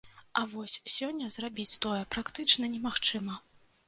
А вось сёння зрабіць тое практычна не магчыма.